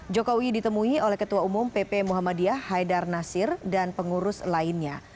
jokowi ditemui oleh ketua umum pp muhammadiyah haidar nasir dan pengurus lainnya